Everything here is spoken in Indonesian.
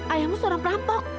ayahmu seorang perampok